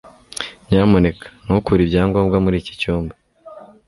Nyamuneka ntukure ibyangombwa muri iki cyumba.